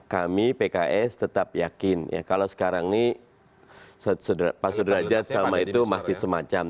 kami pks tetap yakin ya kalau sekarang ini pak sudrajat selama itu masih semacam